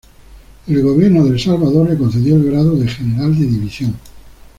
El Gobierno de El Salvador le concedió el grado de General de División.